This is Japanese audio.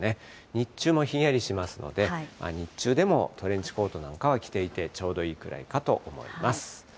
日中もひんやりしますので、日中でもトレンチコートなんかは着ていてちょうどいいくらいかと思います。